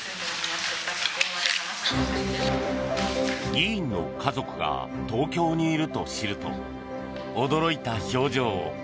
議員の家族が東京にいると知ると驚いた表情。